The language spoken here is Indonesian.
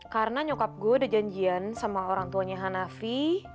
karena nyokap gue udah janjian sama orang tuanya hanafi